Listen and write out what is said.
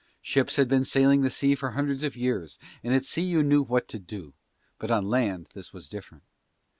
Ships had been sailing the sea for hundreds of years and at sea you knew what to do, but on land this was different.